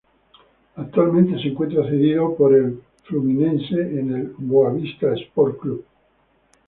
Actualmente se encuentra cedido por el Fluminense en el Boavista Sport Club.